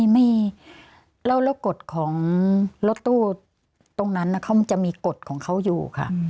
ไม่แล้วกฎของรถตู้ตรงนั้นเขามันจะมีกฎของเขาอยู่ค่ะ